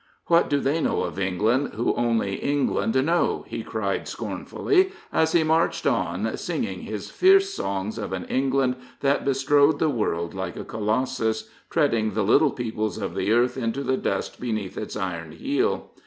" What do they know of England who only England know,^' he cried scornfully as he marched on singing his fierce songs of an England that bestrode the world like a Colossus, treading the little peoples of the earth into the dust beneath its iron heel.